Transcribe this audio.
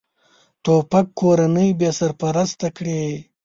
توپک کورنۍ بېسرپرسته کړي.